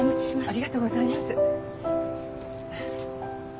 ありがとうございます。